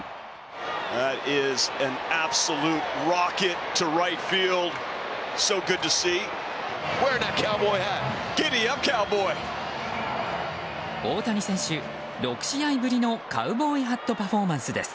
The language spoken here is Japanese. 大谷選手、６試合ぶりのカウボーイハットパフォーマンスです。